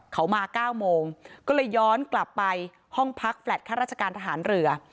เขามา๙โมงก็เลยย้อนกลับไปห้องพักแฟลตข้าราชการทหารเรือ